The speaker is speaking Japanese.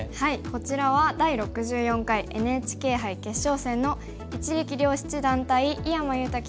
こちらは第６４回ＮＨＫ杯決勝戦の一力遼七段対井山裕太